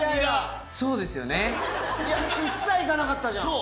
一切行かなかったじゃん。